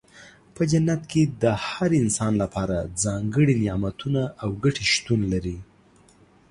په جنت کې د هر انسان لپاره ځانګړي نعمتونه او ګټې شتون لري.